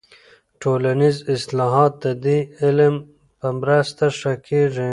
ټولنیز اصلاحات د دې علم په مرسته ښه کیږي.